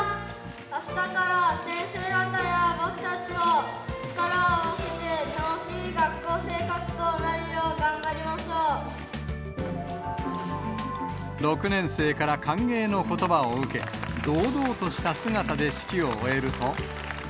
あしたから先生方や僕たちと、力を合わせて、楽しい学校生活と６年生から歓迎のことばを受け、堂々とした姿で式を終えると。